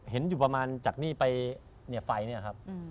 เห็นอยู่ประมาณจากนี่ไปไฟเนี่ยครับ